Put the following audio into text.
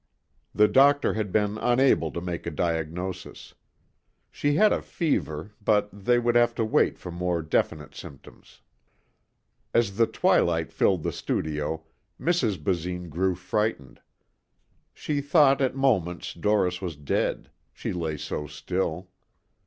The doctor had been unable to make a diagnosis. She had a fever but they would have to wait for more definite symptoms. As the twilight filled the studio, Mrs. Basine grew frightened. She thought at moments Doris was dead, she lay so still.